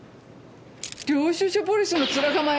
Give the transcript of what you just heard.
領収書ポリスの面構え！